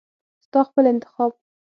ستا خپل انتخاب .